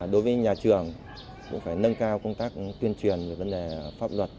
đối với nhà trường cũng phải nâng cao công tác tuyên truyền về vấn đề pháp luật